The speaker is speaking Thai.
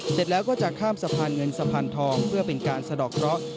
เสร็จแล้วก็จะข้ามสะพานเงินสะพานทองเพื่อเป็นการสะดอกเคราะห์